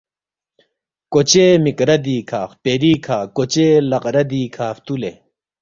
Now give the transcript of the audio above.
کوچے مک ردی کھا ، خپیری کھا ، کوچے لق ردی کھا فُتولے